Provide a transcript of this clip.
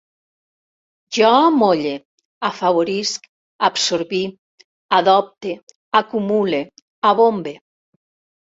Jo amolle, afavorisc, absorbir, adopte, acumule, abombe